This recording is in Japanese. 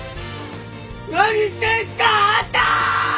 何してんすかあんた！